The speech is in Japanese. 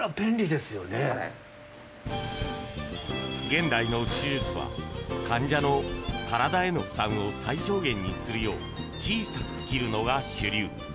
現代の手術は患者の体への負担を最小限にするよう小さく切るのが主流。